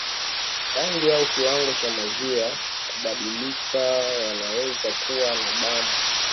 Rangi au kiwango cha maziwa hubadilika yanaweza kuwa na damu